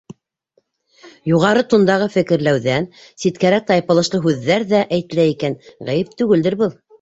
Юғары тондағы фекерләүҙән ситкәрәк тайпылышлы һүҙҙәр ҙә әйтелә икән, ғәйеп түгелдер был.